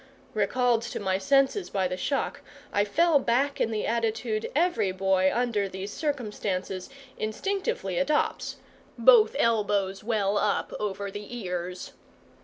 Recalled to my senses by the shock, I fell back in the attitude every boy under these circumstances instinctively adopts both elbows well up over the ears.